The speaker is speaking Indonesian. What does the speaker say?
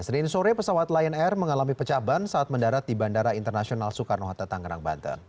senin sore pesawat lion air mengalami pecah ban saat mendarat di bandara internasional soekarno hatta tangerang banten